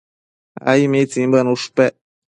Ai. ¿mitsimbuebi ushpe?